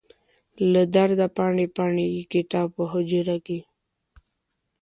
له درده پاڼې، پاڼې یې کتاب په حجره کې